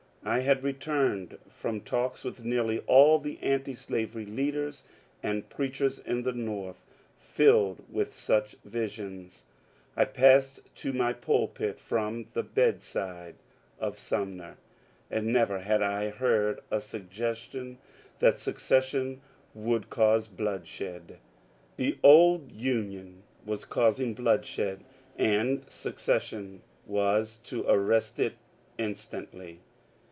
I had returned from talks with nearly all the antislavery leaders and preachers in the North filled with such visions, I passed to my pulpit from the bedside of Sumner, and never had I heard a suggestion that secession would cause bloodshed. The old Union was causing bloodshed and secession was to arrest it instantly.